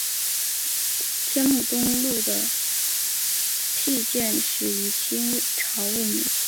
天目东路的辟筑始于清朝末年。